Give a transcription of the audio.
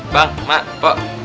bang emak pok